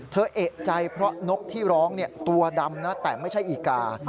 เอกใจเพราะนกที่ร้องตัวดำนะแต่ไม่ใช่อีกา